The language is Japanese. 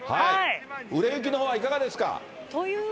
売れ行きのほうはいかがですか？